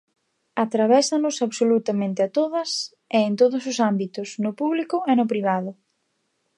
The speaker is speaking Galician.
Atravésanos absolutamente a todas e en todos os ámbitos, no público e no privado.